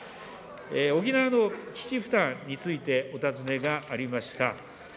沖縄の基地負担についてお尋ねがありました。